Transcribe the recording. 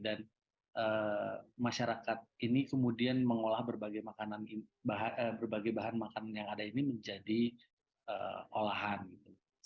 dan masyarakat ini kemudian mengolah berbagai bahan makanan yang ada ini menjadi olahan gitu